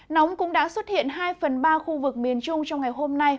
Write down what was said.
nóng cũng đã xuất hiện hai phần ba khu vực miền trung trong ngày hôm nay